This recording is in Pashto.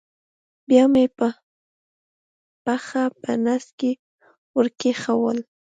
بیا مې پښه په نس کې ور کېښوول.